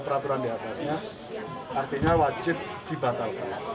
peraturan diatasnya artinya wajib dibatalkan